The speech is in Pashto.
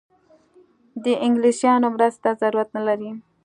د انګلیسیانو مرستې ته ضرورت نه لري.